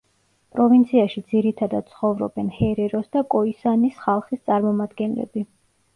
პროვინციაში ძირითადად ცხოვრობენ ჰერეროს და კოისანის ხალხის წარმომადგენლები.